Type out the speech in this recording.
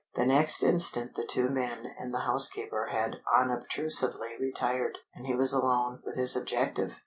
The next instant the two men and the housekeeper had unobtrusively retired, and he was alone with his objective.